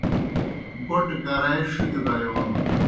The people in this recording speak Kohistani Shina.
بوٹہ کرائے ݜگہ دیون